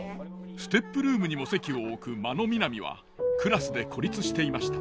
ＳＴＥＰルームにも籍を置く真野みなみはクラスで孤立していました。